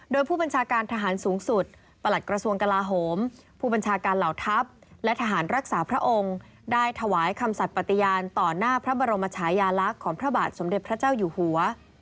โดยผู้บัญชาการทหารสูงสุดประหลัดกระทรวงกลาโหมผู้บัญชาการเหล่าทัพและทหารรักษาพระองค์ได้ถวายคำสัตว์ปฏิญาณต่อหน้าพระบรมชายาลักษณ์ของพระบาทสมเด็จพระเจ้าอยู่หัว